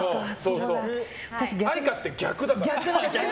愛花って逆だから。